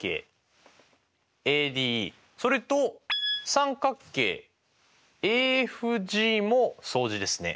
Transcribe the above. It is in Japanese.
三角形ＡＦＧも相似ですね。